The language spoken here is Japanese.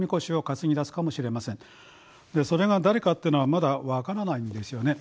それが誰かってのはまだ分からないんですよね。